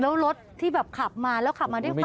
แล้วรถที่แบบขับมาแล้วขับมาด้วยความ